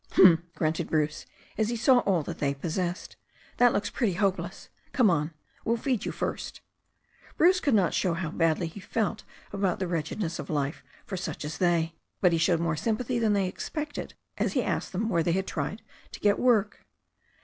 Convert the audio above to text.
"Hm!" grunted Bruce, as he saw all that they possessed. "That looks pretty hopeless. Come on. We'll feed you first." Bruce could not show how badly he felt about the wretch edness of life for such as they. But he showed more sym THE STORY OF A NEW ZEALAND RIVER 79 pathy than they expected as he asked them where they had tried to get work.